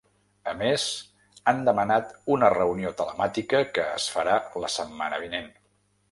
A més, han demanat una reunió telemàtica, que es farà la setmana vinent.